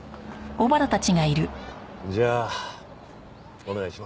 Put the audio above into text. じゃあお願いします。